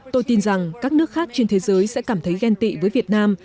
tôi tin rằng các nước khác trên thế giới sẽ cảm thấy ghen tị với việt nam